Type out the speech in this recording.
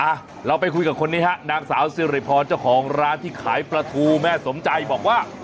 เราไปคุยกับคนนี้ฮะนางสาวสิริพรเจ้าของร้านที่ขายปลาทูแม่สมใจบอกว่า